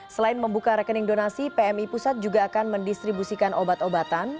selain membuka rekening donasi pmi pusat juga akan mendistribusikan obat obatan